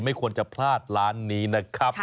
ไม่ควรจะพลาดร้านนี้นะครับ